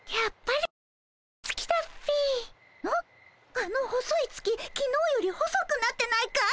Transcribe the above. あの細い月昨日より細くなってないかい？